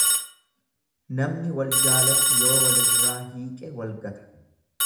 Namni wal jaalatu yoo walirraa hiiqe wal gata.